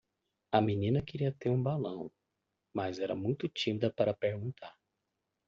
A menina queria ter um balão?, mas era muito tímida para perguntar.